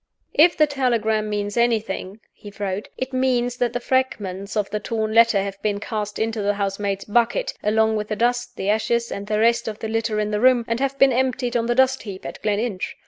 "If the telegram mean anything," he wrote, "it means that the fragments of the torn letter have been cast into the housemaid's bucket (along with the dust, the ashes, and the rest of the litter in the room), and have been emptied on the dust heap at Gleninch.